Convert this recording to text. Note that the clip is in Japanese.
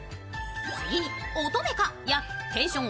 次に乙女か！やテンション